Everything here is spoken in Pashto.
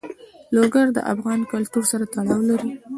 لوگر د افغان کلتور سره تړاو لري.